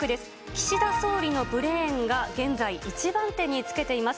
岸田総理のブレーンが現在、１番手につけています。